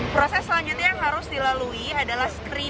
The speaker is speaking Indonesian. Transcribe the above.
proses selanjutnya yang harus dilakukan adalah berbicara